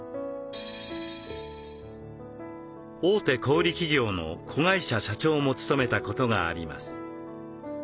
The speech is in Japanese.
大手小売企業の子会社社長も務めたことがあります。